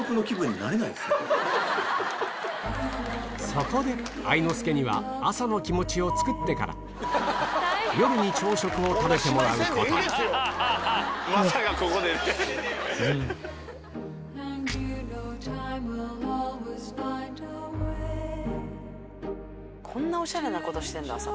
そこで愛之助には朝の気持ちをつくってから夜に朝食を食べてもらうことにこんなオシャレなことしてんだ朝。